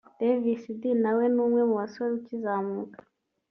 Davis D nawe ni umwe mu basore ukizamuka